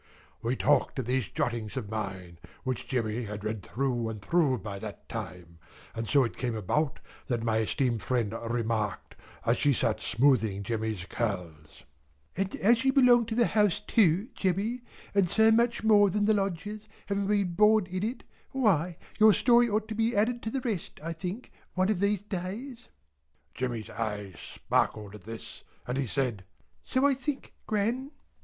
We talked of these jottings of mine, which Jemmy had read through and through by that time; and so it came about that my esteemed friend remarked, as she sat smoothing Jemmy's curls: "And as you belong to the house too, Jemmy, and so much more than the Lodgers, having been born in it, why, your story ought to be added to the rest, I think, one of these days." Jemmy's eyes sparkled at this, and he said, "So I think, Gran."